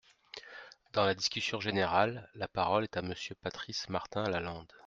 Dans la discussion générale, la parole est à Monsieur Patrice Martin-Lalande.